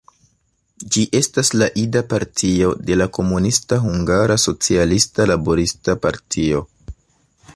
Ĝi estas la ida partio de la komunista Hungara Socialista Laborista Partio.